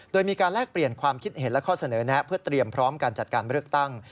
โดยมีการแลกเปลี่ยนความคิดเห็นและข้อเสนอแนะเพื่อเตรียมพร้อมการจัดการเลือกตั้ง